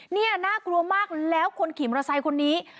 นี่น่ากลัวมากแล้วคนขี่มอเตอร์ไซค์คนนี้